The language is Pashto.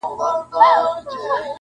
ګل د ګلاب بوی د سنځلي-